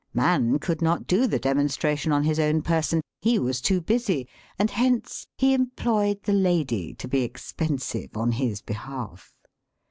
Man could not do the demonstration on his own person — ^he was too busy — and hence he em ployed the lady to be expensive on his behalf.